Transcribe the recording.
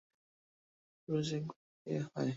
রোজ একবার এলেই হয়!